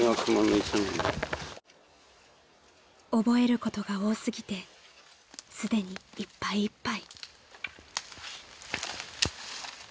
［覚えることが多過ぎてすでにいっぱいいっぱい］